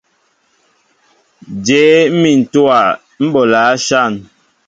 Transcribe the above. Jě mmin ntówa ḿ bolɛέ áshȃn ?